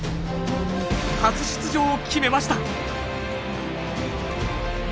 初出場を決めました。